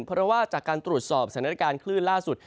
เพราะจากการตรวจสอบสร้างแรงการคลื่นล่าสุด